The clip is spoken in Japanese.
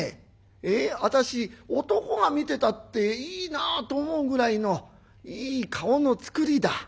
私男が見てたっていいなと思うぐらいのいい顔のつくりだ。